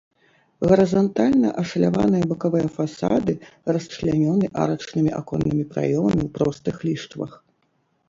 Гарызантальна ашаляваныя бакавыя фасады расчлянёны арачнымі аконнымі праёмамі ў простых ліштвах.